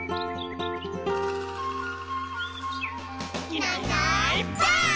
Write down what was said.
「いないいないばあっ！」